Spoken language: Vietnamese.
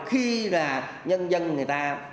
khi là nhân dân người ta